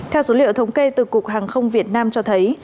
theo số liệu thống kê từ cục hàng không việt nam cho thấy